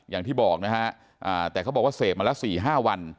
อย่างที่บอกนะฮะแต่เขาบอกว่าเสพมาละ๔๕วัน